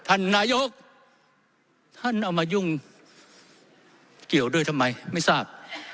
ท่านนายกท่านเอามายุ่งเกี่ยวด้วยทำไมไม่ทราบ